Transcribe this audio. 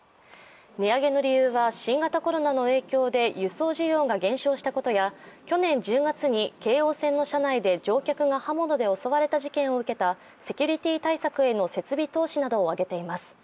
値上げの理由は、新型コロナの影響で輸送需要が減少したことや去年１０月に京王線の車内で乗客が刃物で襲われた事件を受けたセキュリティー対策への設備投資をあげています。